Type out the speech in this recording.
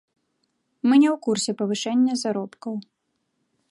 Мы не ў курсе павышэння заробкаў.